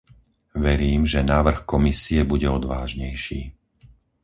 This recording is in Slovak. Verím, že návrh Komisie bude odvážnejší.